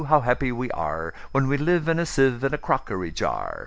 how happy we areWhen we live in a sieve and a crockery jar!